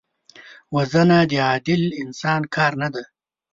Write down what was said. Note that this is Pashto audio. وژنه د عادل انسان کار نه دی